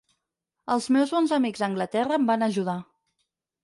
Els meus bons amics a Anglaterra em van ajudar.